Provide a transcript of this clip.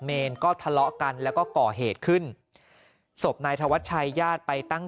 เนรก็ทะเลาะกันแล้วก็ก่อเหตุขึ้นศพนายธวัชชัยญาติไปตั้ง